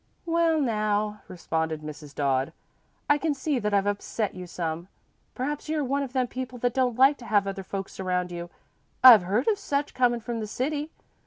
"Well, now," responded Mrs. Dodd, "I can see that I've upset you some. Perhaps you're one of them people that don't like to have other folks around you. I've heard of such, comin' from the city.